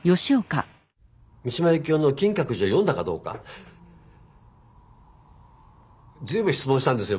三島由紀夫の「金閣寺」を読んだかどうか随分質問したんですよ